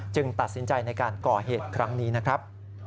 ตัดสินใจในการก่อเหตุครั้งนี้นะครับ